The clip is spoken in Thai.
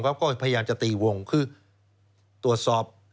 พยายามจะตีวงคือตรวจสอบ